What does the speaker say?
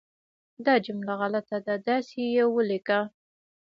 دا جمله غلطه ده، داسې یې ولیکه